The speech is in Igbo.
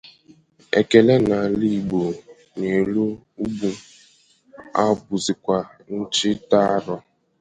Ekele n'ala Igbo n'elu ugbu a bụzịkwa nchi taa arụ